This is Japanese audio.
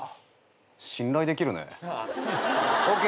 信頼できるね。ＯＫ！